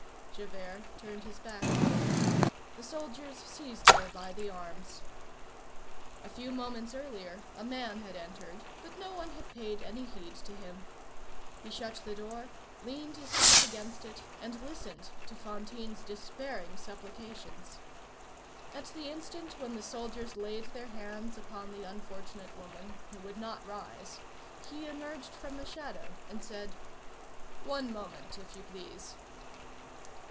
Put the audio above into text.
Javert turned his back. The soldiers seized her by the arms. A few moments earlier a man had entered, but no one had paid any heed to him. He shut the door, leaned his back against it, and listened to Fantine's despairing supplications. At the instant when the soldiers laid their hands upon the unfortunate woman, who would not rise, he emerged from the shadow, and said:— "One moment, if you please."